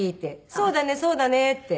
「そうだねそうだね」って。